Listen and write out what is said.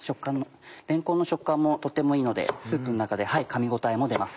れんこんの食感もとてもいいのでスープの中で噛み応えも出ます。